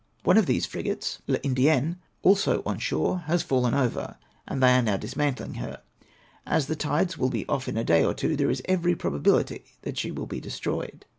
One of these frigates {Uladienne) also on shore, has fallen over, and they are now dismantling her. As the tides will be otf in a day or two, there is every probability that she will be destroyed.